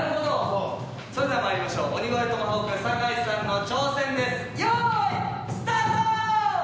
それではまいりましょう鬼越トマホーク坂井さんの挑戦ですよいスタート！